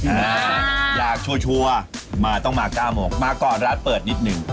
อ่าอยากชัวร์มาต้องมาเก้าโมงมาก่อนร้านเปิดนิดนึง